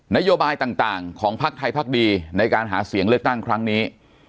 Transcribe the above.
นโยบายต่างของพักไทยพักดีในการหาเสียงเลือกตั้งครั้งนี้